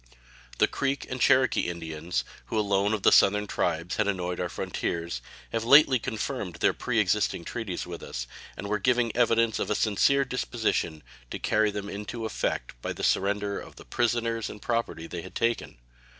The Creek and Cherokee Indians, who alone of the Southern tribes had annoyed our frontiers, have lately confirmed their preexisting treaties with us, and were giving evidence of a sincere disposition to carry them into effect by the surrender of the prisoners and property they had taken.